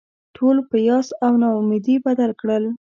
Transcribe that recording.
ټول په یاس او نا امیدي بدل کړل.